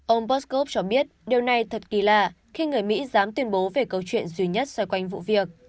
ông poskov cho biết điều này thật kỳ lạ khi người mỹ dám tuyên bố về câu chuyện duy nhất xoay quanh vụ việc